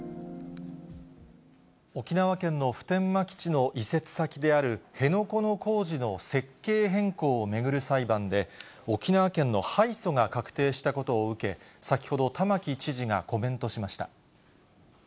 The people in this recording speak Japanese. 沖縄県の普天間基地の移設先である辺野古の工事の設計変更を巡る裁判で、沖縄県の敗訴が確定したことを受け、先ほど玉城知事がコメントしました。